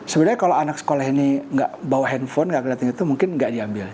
sebenarnya kalau anak sekolah ini nggak bawa handphone nggak kelihatan itu mungkin nggak diambil